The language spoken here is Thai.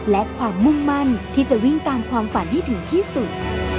และความมุ่งมั่นที่จะวิ่งตามความฝันให้ถึงที่สุด